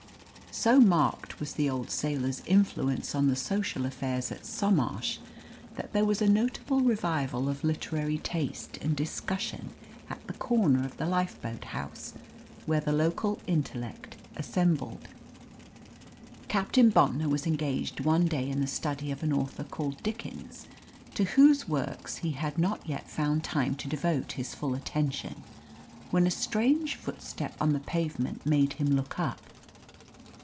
So marked was the old sailor's influence on the social affairs at Somarsh that there was a notable revival of literary taste and discussion at the corner of the Lifeboat House, where the local intellect assembled. Captain Bontnor was engaged one day in the study of an author called Dickens, to whose works he had not yet found time to devote his full attention, when a strange footstep on the pavement made him look up.